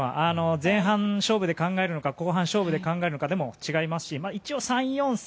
前半勝負で考えるのか後半勝負で考えるのかでも違いますし一応３−４−３。